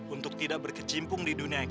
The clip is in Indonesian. untuk tidak berkecil lagi dengan adista